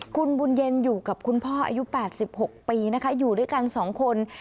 คุณบุญเย็นอยู่กับคุณพ่ออายุ๘๖ปีนะคะอยู่ด้วยกัน๒คน